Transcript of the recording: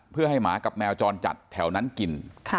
เพื่อให้หมากับแมวจรจัดแถวนั้นกิน